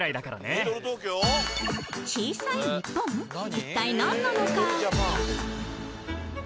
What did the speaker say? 一体何なのか